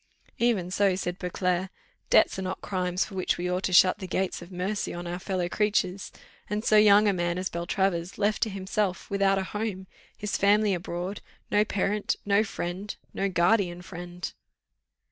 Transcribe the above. "Even so," said Beauclerc, "debts are not crimes for which we ought to shut the gates of mercy on our fellow creatures and so young a man as Beltravers, left to himself, without a home, his family abroad, no parent, no friend no guardian friend."